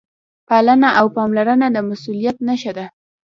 پالنه او پاملرنه د مسؤلیت نښه ده.